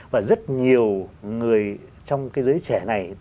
và rất nhiều người trong cái giới trẻ này